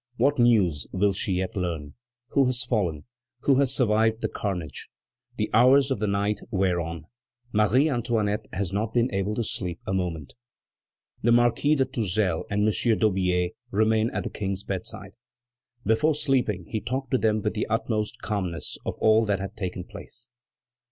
What news will she yet learn? Who has fallen? Who has survived the carnage? The hours of the night wear on; Marie Antoinette has not been able to sleep a moment. The Marquis de Tourzel and M. d'Aubier remained near the King's bedside. Before sleeping, he talked to them with the utmost calmness of all that had taken place.